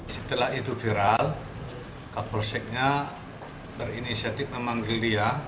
setelah itu viral kapolseknya berinisiatif memanggil dia